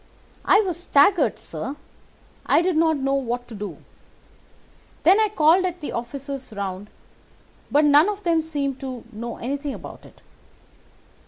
"I was staggered, sir. I did not know what to do. Then I called at the offices round, but none of them seemed to know anything about it.